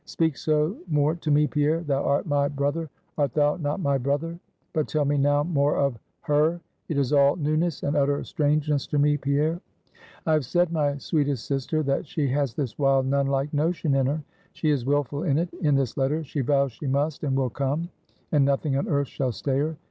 "Speak so more to me, Pierre! Thou art my brother; art thou not my brother? But tell me now more of her; it is all newness, and utter strangeness to me, Pierre." "I have said, my sweetest sister, that she has this wild, nun like notion in her. She is willful in it; in this letter she vows she must and will come, and nothing on earth shall stay her.